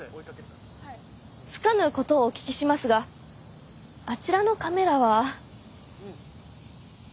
つかぬことをお聞きしますがあちらのカメラは？